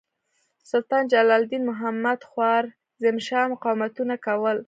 سلطان جلال الدین محمد خوارزمشاه مقاومتونه کول.